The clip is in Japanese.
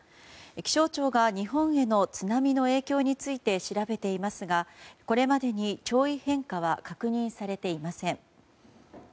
気象庁が日本への津波の影響について調べていますがこれまでに潮位変化は確認されていません。